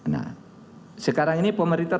nah sekarang ini pemerintah